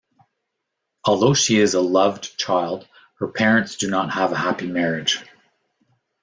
Although she is a loved child, her parents do not have a happy marriage.